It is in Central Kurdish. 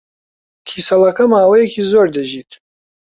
کیسەڵەکە ماوەیەکی زۆر دەژیت.